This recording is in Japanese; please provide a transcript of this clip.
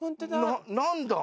何だ？